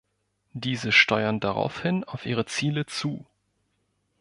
Diese steuern daraufhin auf ihre Ziele zu.